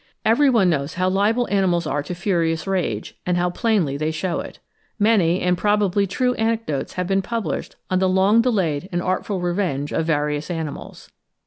Every one knows how liable animals are to furious rage, and how plainly they shew it. Many, and probably true, anecdotes have been published on the long delayed and artful revenge of various animals.